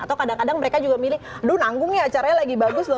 atau kadang kadang mereka juga milih aduh nanggung nih acaranya lagi bagus loh